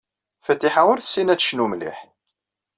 Fatiḥa ur tessin ad tecnu mliḥ.